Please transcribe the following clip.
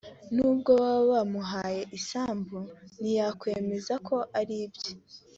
nubwo baba bamuhaye isambu ntiyakwemeza ko ari ibye